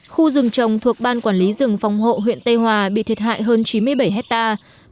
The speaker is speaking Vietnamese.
khu rừng trồng thuộc ban quản lý rừng phòng hộ huyện tây hòa bị thiệt hại hơn chín mươi bảy hectare